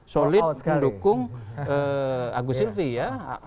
solid mendukung agus silvi ya